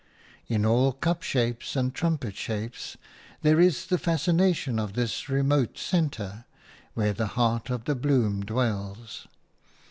In all cup shapes and trumpet shapes there is the fascination of this remote centre where the heart of the bloom dwells.